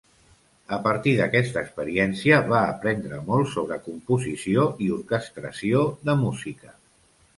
A partir d'aquesta experiència va aprendre molt sobre composició i orquestració de música.